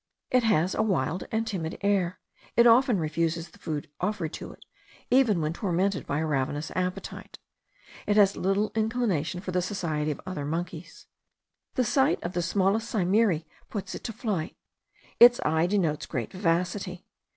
It has a wild and timid air; it often refuses the food offered to it, even when tormented by a ravenous appetite. It has little inclination for the society of other monkeys. The sight of the smallest saimiri puts it to flight. Its eye denotes great vivacity.